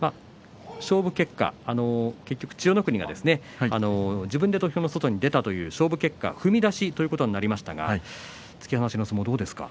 勝負結果、結局千代の国が自分で土俵の外に出たという勝負結果、踏み出しということになりましたが突き放しの相撲、どうですか。